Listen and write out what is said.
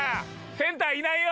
センターいないよ。